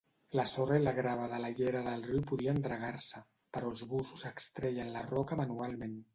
La sorra i la grava de la llera del riu podien dragar-se, però els bussos extreien la roca manualment.